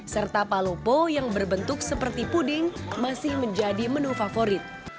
serta palopo yang berbentuk seperti puding masih menjadi menu favorit